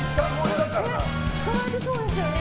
使われてそうですよね。